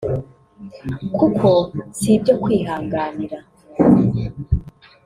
kuko si ibyo kwihanganira”